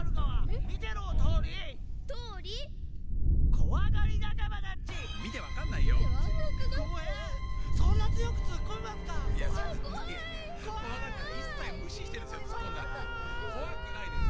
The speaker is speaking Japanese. こわくないです。